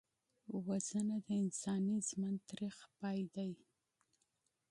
وژنه د انساني ژوند تریخ پای دی